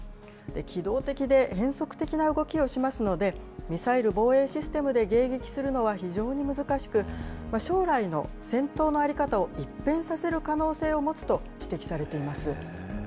機動的で変則的な動きをしますので、ミサイル防衛システムで迎撃するのは非常に難しく、将来の戦闘の在り方を一変させる可能性を持つと指摘されています。